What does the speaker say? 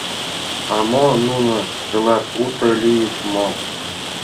— А мо, нуно тылат уто лийыч мо?